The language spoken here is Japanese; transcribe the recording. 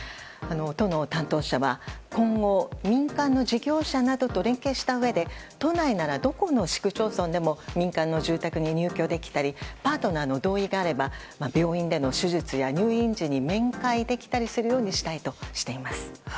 都の担当者は今後、民間の事業者などと連携したうえで都内ならどこの市区町村でも民間の住宅に入居できたりパートナーの同意があれば病院での手術や入院時に面会できるようにしたいとしています。